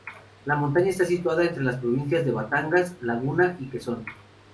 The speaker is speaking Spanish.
La montaña está situada entre las provincias de Batangas, Laguna y Quezon.